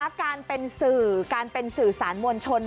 การเป็นสื่อการเป็นสื่อสารมวลชน